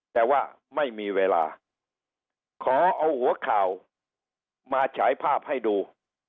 แต่ว่าไม่มีเวลาขอเอาหัวข่าวมาฉายภาพให้ดู